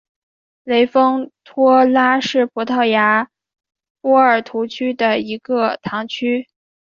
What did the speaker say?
雷丰托拉是葡萄牙波尔图区的一个堂区。